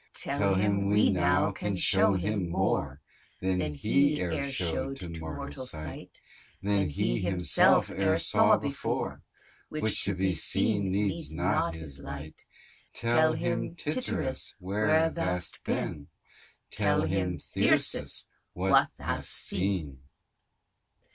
Tell him we now can show him more Than he e'er show'd to mortal sight, Than he himself e'er saw before, Which to be seen needs not his light: Tell him Tityrus where th' hast been, Tell him Thyrsis what th' hast seen.